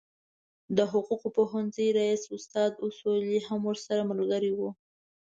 د حقوقو پوهنځي رئیس استاد اصولي هم ورسره ملګری و.